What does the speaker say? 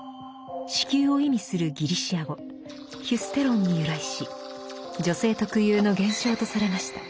子宮を意味するギリシャ語ヒュステロンに由来し女性特有の現象とされました。